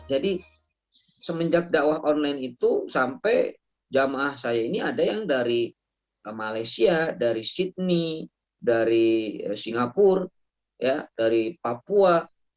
jadi semenjak dakwah online itu sampai jamaah saya ini ada yang dari malaysia dari sydney dari singapura dari papua